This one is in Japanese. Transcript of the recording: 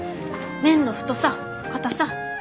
麺の太さかたさ。